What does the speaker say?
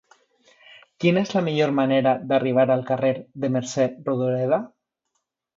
Quina és la millor manera d'arribar al carrer de Mercè Rodoreda?